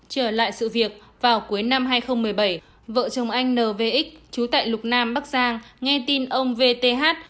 trở lại sự việc vào cuối năm hai nghìn một mươi bảy vợ chồng anh n v x chú tại lục nam bắc giang nghe tin ông v t h